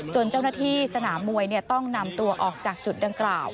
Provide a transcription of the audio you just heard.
เจ้าหน้าที่สนามมวยต้องนำตัวออกจากจุดดังกล่าว